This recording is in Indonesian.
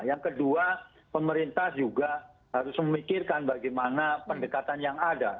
yang kedua pemerintah juga harus memikirkan bagaimana pendekatan yang ada